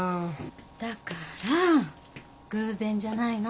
だから偶然じゃないの？